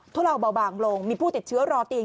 ทุเลาเบาบางลงมีผู้ติดเชื้อรอเตียง